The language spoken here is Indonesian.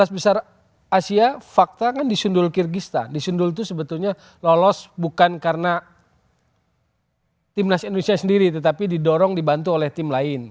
enam belas besar asia fakta kan disundul kyrgyzstan disundul itu sebetulnya lolos bukan karena timnas indonesia sendiri tetapi didorong dibantu oleh tim lain